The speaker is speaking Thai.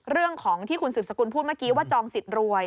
เรื่องของที่คุณสืบสกุลพูดเมื่อกี้ว่าจองสิทธิ์รวย